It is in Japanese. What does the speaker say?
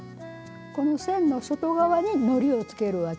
この線の外側にのりをつけるわけです。